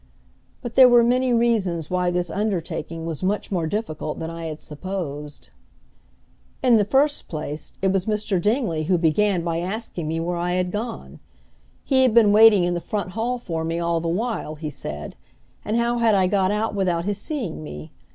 But there were many reasons why this undertaking was much more difficult than I had supposed. In the first place, it was Mr. Dingley who began by asking me where I had gone. He had been waiting in the front hall for me all the while, he said, and how had I got out without his seeing me?